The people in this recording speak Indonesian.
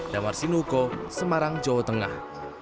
damar sinuko semarang jawa tengah